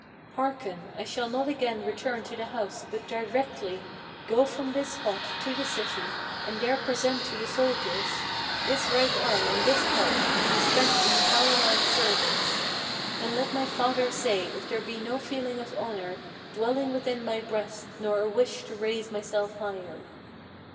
Hearken, I shall not again return to the house; but directly Go from this spot to the city, and there present to the soldiers This right arm and this heart, to be spent in the fatherland's service. Then let my father say if there be no feeling of honor Dwelling within my breast, nor a wish to raise myself higher."